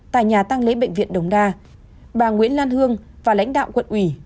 tại nhà tăng lễ bệnh viện đồng đa bà nguyễn lan hương và lãnh đạo quận ủy